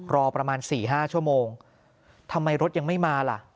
รอประมาณ๔๕ชั่วโมงทำไมรถยังไม่มาล่ะ